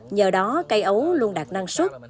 nhờ đó cây ấu luôn đạt năng suất